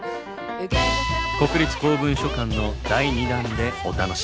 国立公文書館の第２弾でお楽しみ下さい。